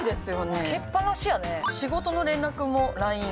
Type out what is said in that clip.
つけっぱなしやね。